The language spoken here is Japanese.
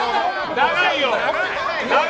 長いよ！